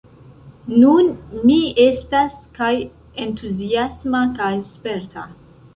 Nun mi estas kaj entuziasma kaj sperta.